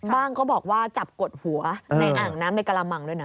ก็บอกว่าจับกดหัวในอ่างน้ำในกระมังด้วยนะ